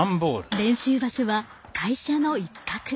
練習場所は、会社の一角。